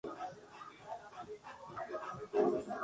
Esta serie fue una de las más exitosas del canal.